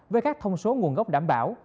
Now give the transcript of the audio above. với các thông số nguồn gốc đảm bảo